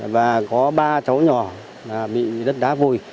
và có ba cháu nhỏ bị đất đá vùi